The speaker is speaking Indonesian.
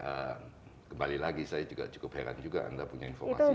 ya kembali lagi saya juga cukup heran juga anda punya informasi